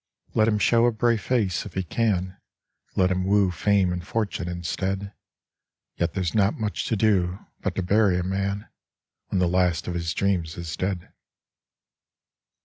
Let him show a brave face if he can; Let him woo fame and fortune instead; Yet there's not much to do, but to bury a man When the last of his dreams is dead.